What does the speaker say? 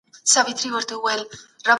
پخوانیو خلګو د زلزلې په اړه کیسې جوړې کړې دي.